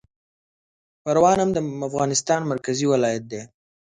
پروان هم د افغانستان مرکزي ولایت دی